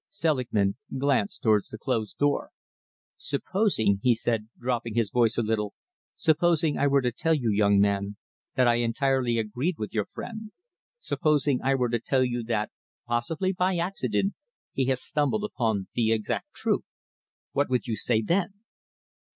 Selingman glanced towards the closed door. "Supposing," he said, dropping his voice a little, "supposing I were to tell you, young man, that I entirely agreed with your friend? Supposing I were to tell you that, possibly by accident, he has stumbled upon the exact truth? What would you say then?"